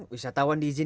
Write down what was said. wisatawan di izinkan